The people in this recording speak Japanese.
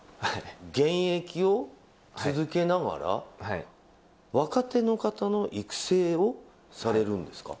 現役を続けながら、若手の方の育成をされるんですか？